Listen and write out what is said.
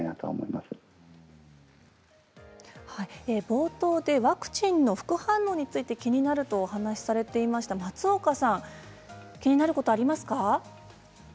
冒頭でワクチンの副反応について気になると話されていた松岡さん気になることはありますか。